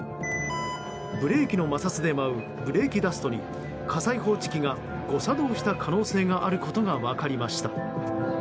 ブレーキの摩擦で舞うブレーキダストに火災報知機が誤作動した可能性があることが分かりました。